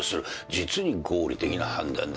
実に合理的な判断だ。